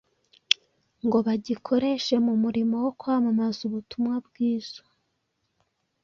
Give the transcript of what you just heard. ngo bagikoreshe mu murimo wo kwamamaza ubutumwa bwiza,